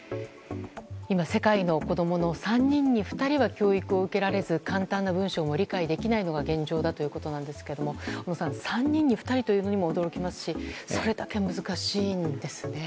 今、世界の子供の３人に２人は教育を受けられず簡単な文章も理解できないのが現状だということですが小野さん、３人に２人というのにも驚きますしそれだけ難しいんですね。